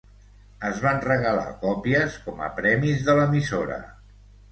Es van regalar còpies com a premis de l'emissora.